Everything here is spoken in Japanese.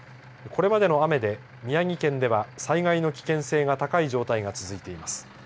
これまでの雨で、宮城県では災害の危険性が高い状態が続いています。